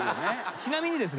ちなみにですね